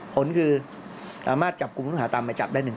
ผลคืออามารห์ชับกลุ่มต้องหาตามไปจับได้๑คน